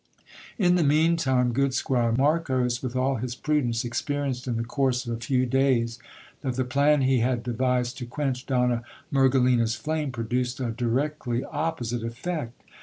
In the mean time good Squire Marcos, with all his prudence, experienced in the course of a few days that the plan he had devised to quench Donna Merge lina's flame produced a directly opposite effect.